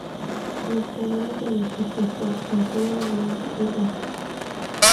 Los colores del equipo son azul, blanco y rojo.